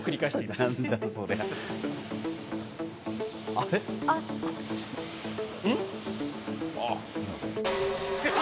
あっ！